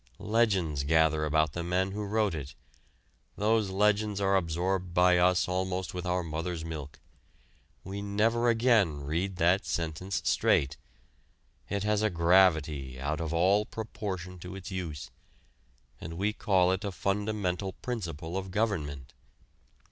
Legends gather about the men who wrote it: those legends are absorbed by us almost with our mothers' milk. We never again read that sentence straight. It has a gravity out of all proportion to its use, and we call it a fundamental principle of government.